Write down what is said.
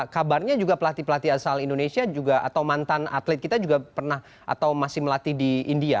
kabarnya juga pelatih pelatih asal indonesia juga atau mantan atlet kita juga pernah atau masih melatih di india